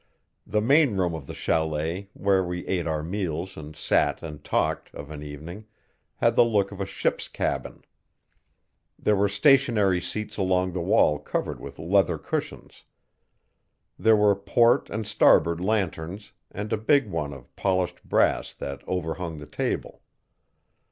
The main room of the chalet where we ate our meals and sat and talked, of an evening, had the look of a ship's cabin. There were stationary seats along the wall covered with leathern cushions. There were port and starboard lanterns and a big one of polished brass that overhung the table.